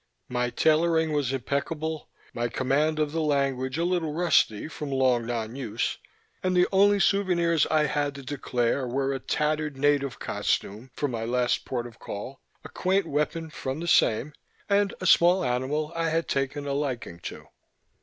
My tailoring was impeccable, my command of the language a little rusty from long non use, and the only souvenirs I had to declare were a tattered native costume from my last port of call, a quaint weapon from the same, and a small animal I had taken a liking to.